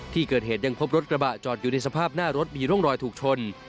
ที่เกิดเหตุยังพบรถกระบะจอดอยู่ในสภาพหน้ารถมีร่องรอยถูกชน